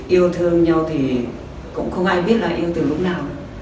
yêu thương nhau thì cũng không ai biết là yêu từ lúc nào